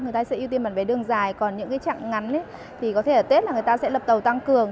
người ta sẽ ưu tiên bàn vé đường dài còn những cái trạng ngắn thì có thể ở tết là người ta sẽ lập tàu tăng cường